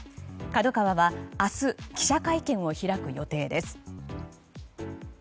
ＫＡＤＯＫＡＷＡは明日記者会見を開く予定です。